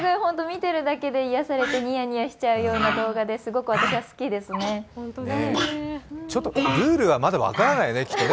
見てるだけで癒されてニヤニヤしちゃうような動画でちょっとルールがまだ分からないね。